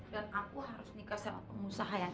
dan aku harus nikah sama pengusaha yang